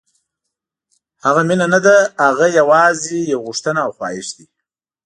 هغه مینه نه ده، هغه یوازې یو غوښتنه او خواهش دی.